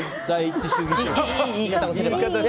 いい言い方をすれば。